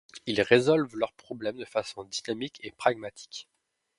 Ils résolvent leurs problèmes de façon dynamique et pragmatique.